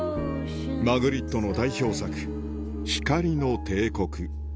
マグリットの代表作『光の帝国』